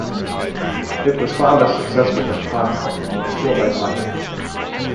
It was far less successful than "Timecop" but still made money.